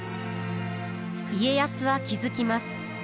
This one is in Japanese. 家康は気付きます。